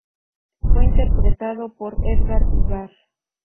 Fue interpretado por Édgar Vivar.